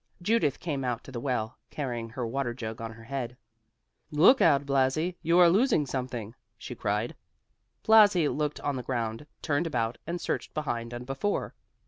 Judith came out to the well, carrying her water jug on her head. "Look out, Blasi, you are losing something," she cried. Blasi looked on the ground, turned about, and searched behind and before.